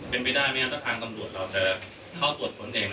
เป็นไปได้แม้ว่าทางกำลัวจะเข้าตรวจส่วนเอง